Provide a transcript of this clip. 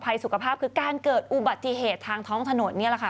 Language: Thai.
สุขภาพคือการเกิดอุบัติเหตุทางท้องถนนนี่แหละค่ะ